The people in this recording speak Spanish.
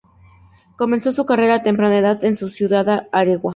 Comenzó su carrera a temprana edad en su ciudad, Areguá.